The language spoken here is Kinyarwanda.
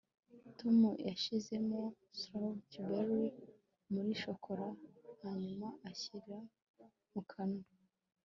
tom yashizemo strawberry muri shokora hanyuma ayishyira mu kanwa